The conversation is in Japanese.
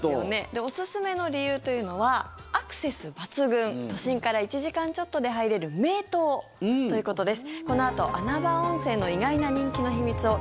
おすすめの理由というのはアクセス抜群都心から１時間ちょっとで入れる名湯ということです。